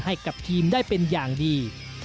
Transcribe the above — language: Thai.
ให้กับทีมได้เป็นอย่างดี